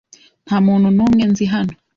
Nta muntu n'umwe nzi hano.